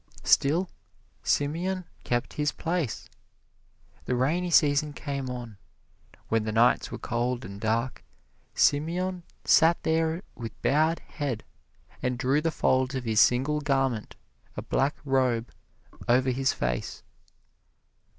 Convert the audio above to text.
Still Simeon kept his place. The rainy season came on. When the nights were cold and dark, Simeon sat there with bowed head, and drew the folds of his single garment, a black robe, over his face.